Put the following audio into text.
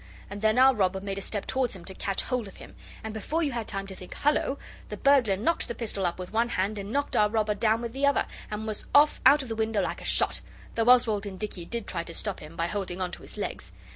and then our robber made a step towards him to catch hold of him, and before you had time to think 'Hullo!' the burglar knocked the pistol up with one hand and knocked our robber down with the other, and was off out of the window like a shot, though Oswald and Dicky did try to stop him by holding on to his legs.